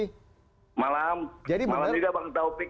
selamat malam juga bang taufik